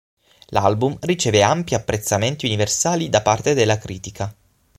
L'album riceve ampi apprezzamenti universali da parte della critica.